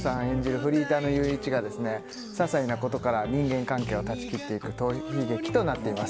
フリーターの裕一がですね、ささいなことから人間関係を断ち切っていく逃避劇となっています。